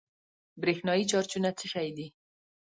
برېښنايي چارجونه څه شی دي؟